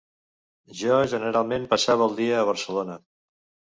Jo generalment passava el dia a Barcelona